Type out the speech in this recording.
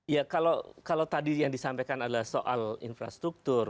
ya kalau tadi yang disampaikan adalah soal infrastruktur